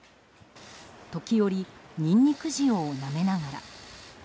時折、ニンニク塩をなめながら。